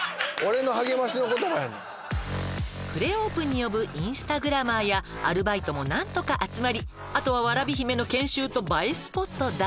「プレオープンに呼ぶインスタグラマーやアルバイトも何とか集まりあとはわらび姫の研修と映えスポットだけ」